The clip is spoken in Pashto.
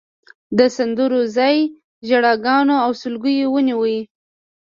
د سندرو ځای ژړاګانو او سلګیو ونیو.